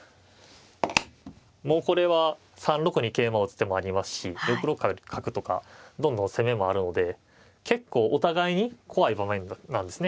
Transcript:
もうこれは３六に桂馬を打つ手もありますし６六角とかどんどん攻めもあるので結構お互いに怖い場面なんですね